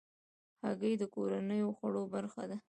هګۍ د کورنیو خوړو برخه ده.